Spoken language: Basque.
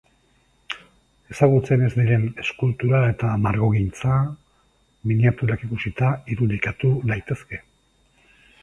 Ezagutzen ez diren eskultura eta margogintza, miniaturak ikusita irudikatu daitezke.